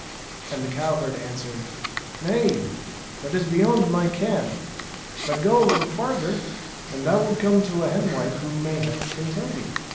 And the cow herd answered, Nay, that is beyond my ken ; but go a little farther and thou wilt come to a hen wife who, mayhap, can tell thee."